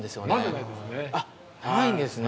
まずないですね。